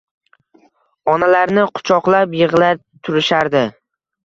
Onalarini quchoqlab yigʻlab turishardi.